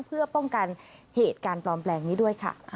เพื่อป้องกันเหตุการณ์ปลอมแปลงนี้ด้วยค่ะ